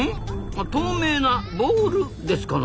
あ透明なボールですかな？